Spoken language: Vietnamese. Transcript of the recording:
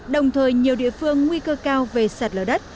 đồng thời nhiều địa phương nguy cơ cao về sạt lở đất